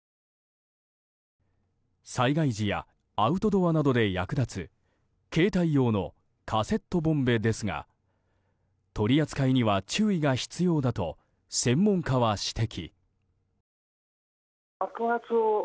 災害時やアウトドアなどで役立つ携帯用のカセットボンベですが取り扱いには注意が必要だと専門家は指摘。